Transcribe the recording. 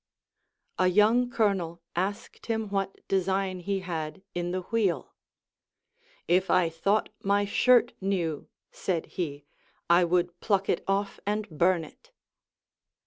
A young colonel asked him what design he had in the wheel. If I thought my shirt knew, said he, I would pluck it off and burn it.